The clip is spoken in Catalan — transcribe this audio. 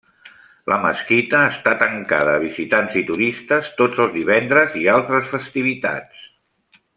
La mesquita està tancada a visitants i turistes tots els divendres i altres festivitats.